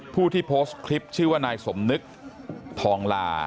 ผู้ที่โพสต์คลิปชื่อว่านายสมนึกทองลา